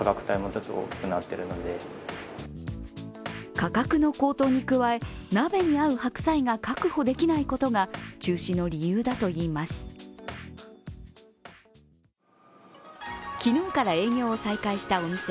価格の高騰に加え、鍋に合う白菜が確保できないことが中止の理由だといいます。